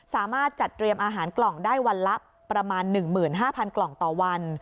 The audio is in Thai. สามารถจัดเตรียมอาหารกล่องได้วันละประมาณ๑๕๐๐กล่องต่อวัน